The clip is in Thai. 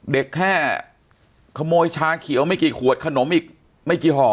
แค่ขโมยชาเขียวไม่กี่ขวดขนมอีกไม่กี่ห่อ